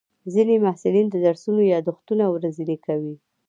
ځینې محصلین د درسونو یادښتونه ورځني کوي.